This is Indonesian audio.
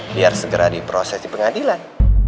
biar segera diproses di pengadilan